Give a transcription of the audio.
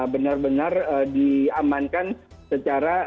benar benar diamankan secara